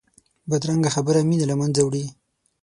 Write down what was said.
بدرنګه خبره مینه له منځه وړي